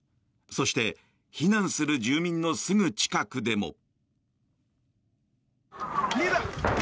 そして、避難する住民のすぐ近くでも。